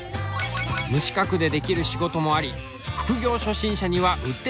無資格でできる仕事もあり副業初心者にはうってつけ。